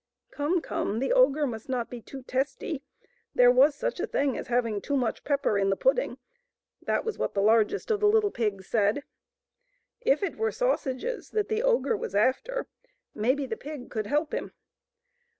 Come, come ! the ogre must not be too testy. There was such a thing as having too much pepper in the pudding — that was what the largest of the little pigs said. If it were sausages that the ogre was after, maybe the pig could help him.